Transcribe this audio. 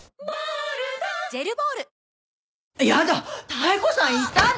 妙子さんいたの！？